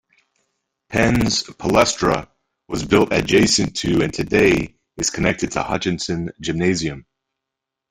Penn's Palestra was built adjacent to and today is connected to Hutchinson Gymnasium.